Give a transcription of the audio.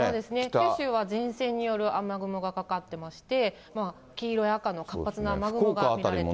九州は前線による雨雲がかかってまして、黄色や赤の活発な雨雲が見られます。